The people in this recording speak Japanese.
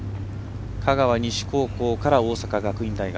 香川西高校から大阪学院大学。